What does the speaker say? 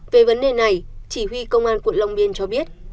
về vấn đề này chỉ huy công an quận long biên cho biết